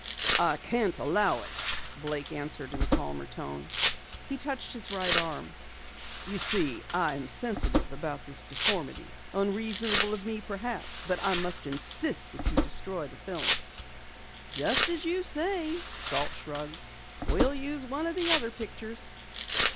"I can't allow it," Blake answered in a calmer tone. He touched his right arm. "You see, I am sensitive about this deformity. Unreasonable of me, perhaps, but I must insist that you destroy the film." "Just as you say," Salt shrugged. "We'll use one of the other pictures."